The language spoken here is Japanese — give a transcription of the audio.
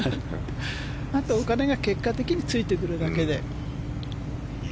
あとお金が結果的についてくるだけで。